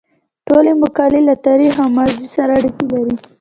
ټولې مقالې له تاریخ او ماضي سره اړیکه لري.